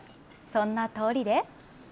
そんな通りで。